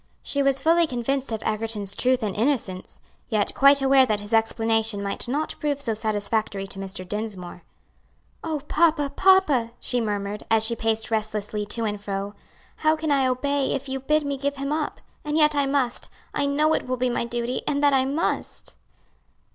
She was fully convinced of Egerton's truth and innocence; yet quite aware that his explanation might not prove so satisfactory to Mr. Dinsmore. "Oh, papa, papa!" she murmured, as she paced restlessly to and fro, "how can I obey if you bid me give him up? And yet I must. I know it will be my duty, and that I must."